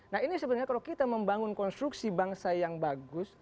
nah ini sebenarnya kalau kita membangun konstruksi bangsa yang bagus